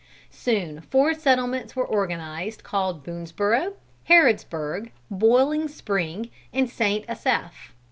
Soon four settlements were organised called Boonesborough, Harrodsburg, Boiling Spring, and St. Asaph.